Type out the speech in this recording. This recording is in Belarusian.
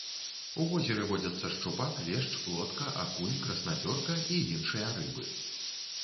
У возеры водзяцца шчупак, лешч, плотка, акунь, краснапёрка і іншыя рыбы.